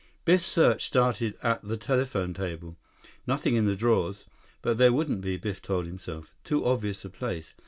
Biff's search started at the telephone table. Nothing in the drawers. But there wouldn't be, Biff told himself. Too obvious a place.